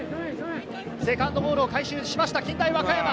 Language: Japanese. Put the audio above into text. セカンドボールを回収しました、近大和歌山。